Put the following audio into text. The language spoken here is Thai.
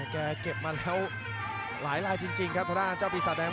แกเก็บมาแล้วหลายลายจริงครับทางด้านเจ้าปีศาจแดง